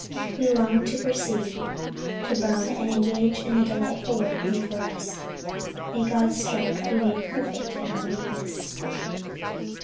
We long to proceed to Burmah and engage in the delightful work before us. May God's strength be made perfect in our weakness."